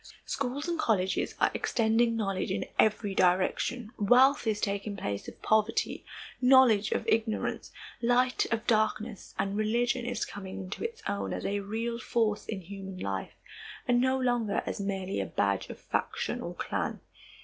Schools and colleges are extending knowledge in every direction. Wealth is taking place of poverty, knowledge of ignorance, light of darkness, and religion is coming into its own as a real force in human life and no longer as merely a badge of faction or clan.